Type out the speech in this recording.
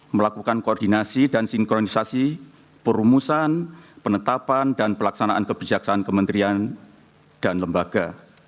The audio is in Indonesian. melakukan koordinasi dan sinkronisasi perumusan penetapan dan pelaksanaan kebijaksaan kementerian dan lembaga